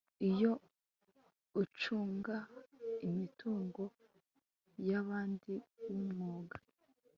iyo ucunga imitungo y abandi w umwuga